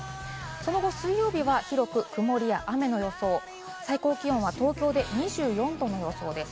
その後、水曜日は広く曇りや雨の予想、最高気温は東京で２４℃の予想です。